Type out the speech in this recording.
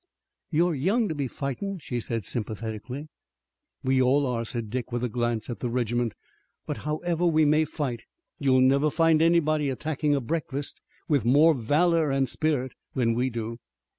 "You're young to be fightin'," she said sympathetically. "We all are," said Dick with a glance at the regiment, "but however we may fight you'll never find anybody attacking a breakfast with more valor and spirit than we do."